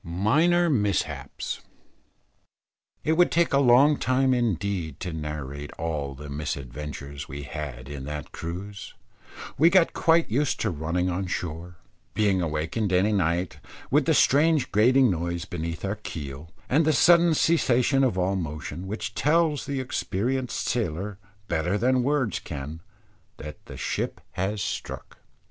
MINOR MISHAPS. It would take a long time indeed to narrate all the misadventures we had in that cruise. We got quite used to running on shore, being awakened any night, with that strange grating noise beneath our keel, and the sudden cessation of all motion, which tells the experienced sailor better than words can, that the ship has struck.